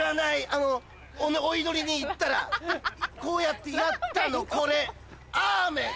あのお祈りに行ったらこうやってやったのこれアーメン！